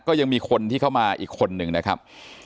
ก็ยังมีคนที่เข้ามาอีกคนนึงนะครับ